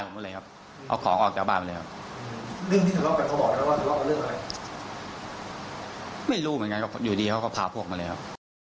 ไม่รู้เหมือนกันอยู่ดีโค่พาพวกมาแล้ว